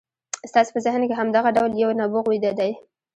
ستاسې په ذهن کې هم دغه ډول يو نبوغ ويده دی.